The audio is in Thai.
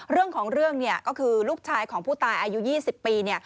เรื่องของเรื่องก็คือลูกชายของผู้ตายอายุ๒๐ปี